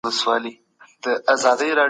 د احمد شاه بابا روغتیا تر جګړې وروسته څنګه وه؟